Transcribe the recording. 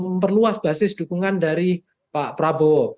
memperluas basis dukungan dari pak prabowo